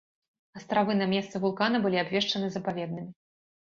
Астравы на месцы вулкана былі абвешчаны запаведнымі.